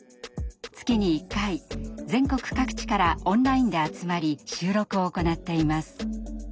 月に１回全国各地からオンラインで集まり収録を行っています。